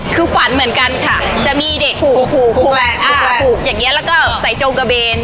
คือฝันเหมือนกันค่ะจะมีเด็กผูกอย่างนี้แล้วก็ใส่จงกระเบน